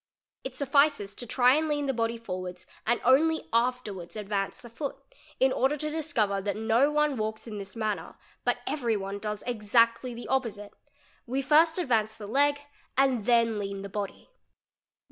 It suffices to try and lean the body — forwards and only afterwards advance the foot, in order to discover that no one walks in this manner but every one does exactly the opposite : we 4 first advance the leg and then lean the body.